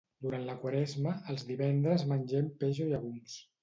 Durant la Quaresma, els divendres mengem peix o llegums.